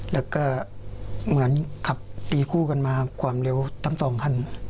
แล้วก็เหมือนขับตีคู่กันมาความเร็วทั้งสองคัน